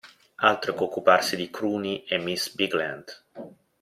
Altro che occuparsi di Cruni e di miss Bigland.